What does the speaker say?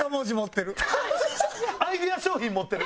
アイデア商品持ってる。